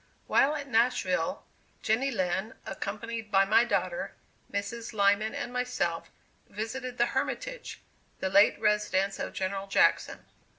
While at Nashville, Jenny Lind, accompanied by my daughter, Mrs. Lyman, and myself, visited "the Hermitage," the late residence of General Jackson.